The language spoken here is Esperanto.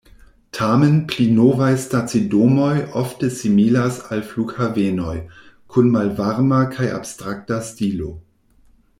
Tamen, pli novaj stacidomoj ofte similas al flughavenoj, kun malvarma kaj abstrakta stilo.